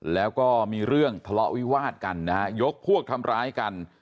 แล้วก็มีเรื่องทะเลาะวิวาดกันนะฮะยกพวกทำร้ายกัน